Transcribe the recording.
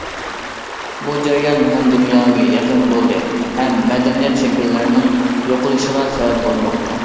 بۇ جەريان ھەم دۇنياۋى ئېقىم بولدى ھەم مەدەنىيەت شەكىللىرىنىڭ يوقىلىشىغا سەۋەب بولماقتا.